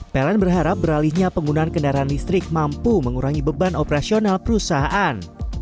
pln berharap beralihnya penggunaan kendaraan listrik mampu mengurangi beban operasional perusahaan